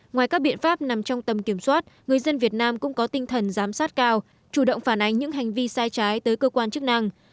ngoài các biện pháp nằm trong tầm kiểm soát người dân việt nam cũng có tinh thần giám sát cao chủ động phản ánh những hành vi sai trái tới cơ quan chức năng